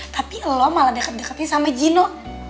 tapi lo malah deket deketin sama gino